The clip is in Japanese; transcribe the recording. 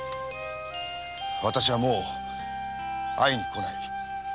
私はもう会いに来ない。